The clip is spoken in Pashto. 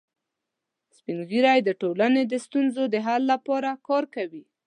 سپین ږیری د ټولنې د ستونزو د حل لپاره کار کوي